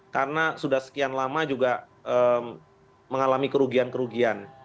karena sudah sekian lama juga mengalami kerugian kerugian ya